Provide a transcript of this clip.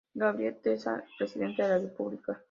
Gabriel Terra, Presidente de la República".